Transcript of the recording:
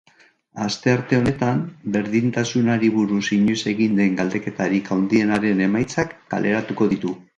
Astearte honetan, berdintasunari buruz inoiz egin den galdeketarik handienaren emaitzak kaleratuko ditu.